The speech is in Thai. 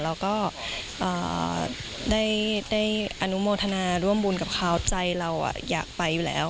แล้วก็ได้อนุโมทนาร่วมบุญกับเขาใจเราอยากไปอยู่แล้ว